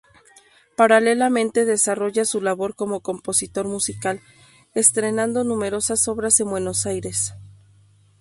Paralelamente desarrolla su labor como compositor musical estrenando numerosas obras en Buenos Aires.